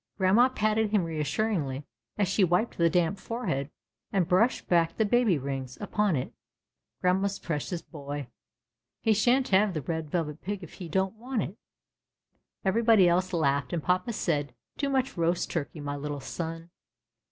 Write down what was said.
Grandma patted him reassuringly as she wiped the damp forehead and brushed back the baby rings upon it. Grandma's precious boy! He sha'n't have the Red Velvet Pig if he don't Avant it!" Everybody else laughed, and jia^m said, Too much roast turkey, my little son."